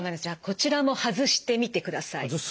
じゃあこちらも外してみてください。